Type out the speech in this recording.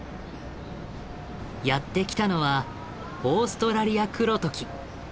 やって来たのはオーストラリアクロトキ。